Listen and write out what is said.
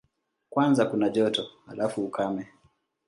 Kwanza kuna joto, halafu ukame.